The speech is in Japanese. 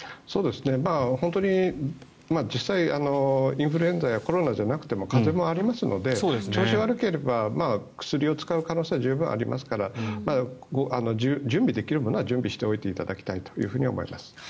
本当に、実際、インフルエンザやコロナじゃなくても風邪もありますので調子悪ければ薬を使う可能性は十分ありますから準備できるものは準備しておいていただきたいと思います。